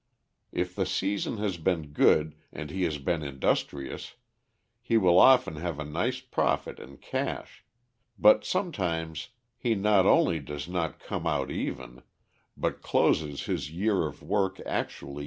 If the season has been good and he has been industrious, he will often have a nice profit in cash, but sometimes he not only does not come out even, but closes his year of work actually in deeper debt to the landlord.